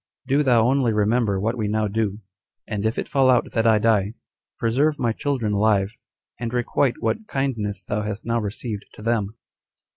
Do thou only remember what we now do; and if it fall out that I die, preserve my children alive, and requite what kindness thou hast now received to them."